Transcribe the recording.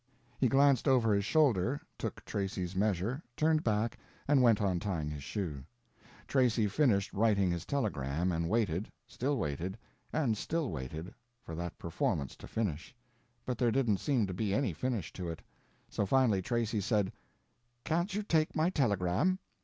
He glanced over his shoulder, took Tracy's measure, turned back, and went on tying his shoe. Tracy finished writing his telegram and waited, still waited, and still waited, for that performance to finish, but there didn't seem to be any finish to it; so finally Tracy said: "Can't you take my telegram?"